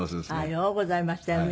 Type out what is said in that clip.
ようございましたよね。